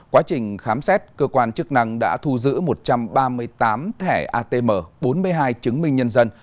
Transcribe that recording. quá trình khám xét cơ quan chức năng đã thu giữ một trăm ba mươi tám thẻ atm bốn mươi hai chứng minh nhân dân